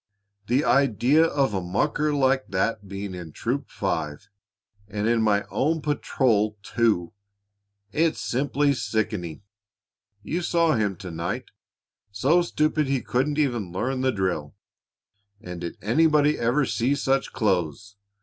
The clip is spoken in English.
"The idea of a mucker like that being in Troop Five and in my own patrol, too! It's simply sickening! You saw him to night; so stupid he couldn't even learn the drill, and did anybody ever see such clothes?